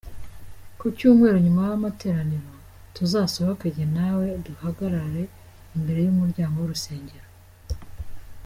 Ku cyumweru nyuma y’amateraniro, tuzasohoke jye nawe duhagarare imbere y’umuryango w’urusengero.